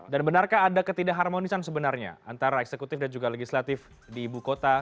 dan benarkah ada ketidak harmonisan sebenarnya antara eksekutif dan juga legislatif di ibu kota